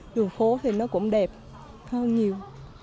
đường phố thì nó cũng đẹp hơn nhiều